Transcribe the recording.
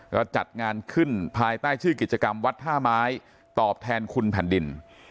ก็จัดงานขึ้นภายใต้ชื่อกิจกรรมวัดท่าไม้ตอบแทนคุณแผ่นดิน